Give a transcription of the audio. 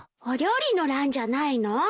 お料理の欄じゃないの？